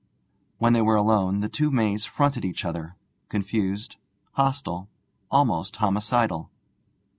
When they were alone, the two Mays fronted each other, confused, hostile, almost homicidal.